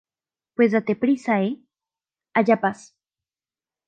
pues date prisa. ¡ eh! haya paz.